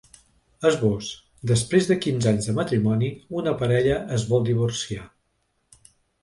Esbós: Després de quinze anys de matrimoni, una parella es vol divorciar.